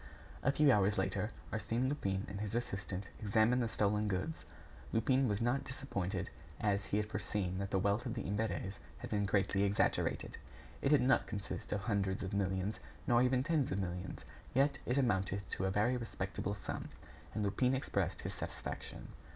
A few hours later, Arsène Lupin and his assistant examined the stolen goods. Lupin was not disappointed, as he had foreseen that the wealth of the Imberts had been greatly exaggerated. It did not consist of hundreds of millions, nor even tens of millions. Yet it amounted to a very respectable sum, and Lupin expressed his satisfaction.